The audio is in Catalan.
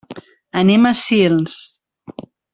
Anem a Sils.